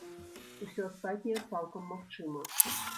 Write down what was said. Усё астатняе цалкам магчыма.